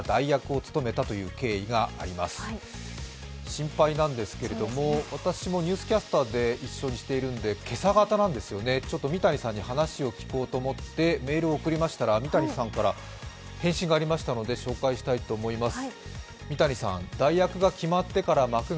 心配なんですけれど私も「ニュースキャスター」で出演した際に三谷さんに話を聞こうと思ってメールを送りましたら三谷さんから返信がありましたので紹介したいと思います。